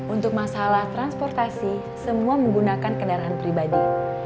untuk masalah transportasi semua menggunakan kendaraan pribadi